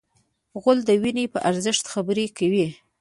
غول د وینې په ارزښت خبرې کوي.